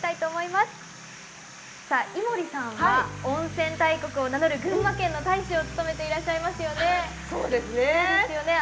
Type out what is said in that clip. さあ井森さんは温泉大国を名乗る群馬県の大使を務めていらっしゃいますよね。